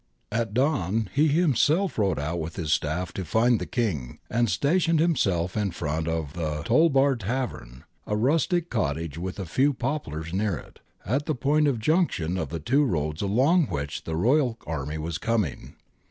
At dawn he himself rode out with his staff to find the King, and stationed himself in front of the Toll bar Tavern {Tavenia la catena) — 'a rustic cottage with a few poplars near it '— at the point of junction of the two roads along which the Royal army was coming.